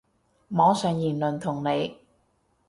網上言論同理